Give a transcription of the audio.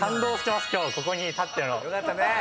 よかったね。